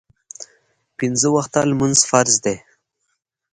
پینځه وخته لمونځ فرض دی